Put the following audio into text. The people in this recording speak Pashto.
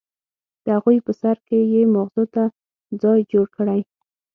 د اغوئ په سر کې يې ماغزو ته ځای جوړ کړی.